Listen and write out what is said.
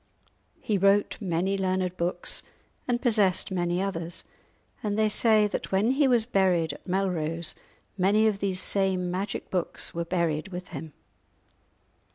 He wrote many learned books, and possessed many others; and they say that when he was buried at Melrose many of these same magic books were buried with him.